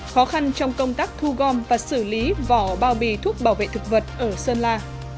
khó khăn trong công tác thu gom và xử lý vỏ bao bì thuốc bảo vệ thực vật ở sơn la